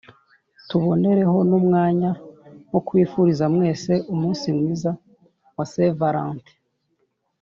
Tubonereho n’umwanya wo kubifuriza mwese Umunsi mwiza wa St Valentin